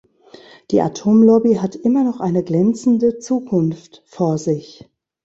Die Atomlobby hat immer noch eine glänzende Zukunft vor sich!